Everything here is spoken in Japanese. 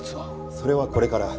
それはこれから。